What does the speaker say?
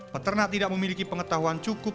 peternak tidak memiliki pengetahuan cukup